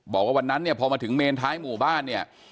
บอกว่าวันนั้นเนี่ยพอมาถึงเมนท้ายหมู่บ้านเนี่ย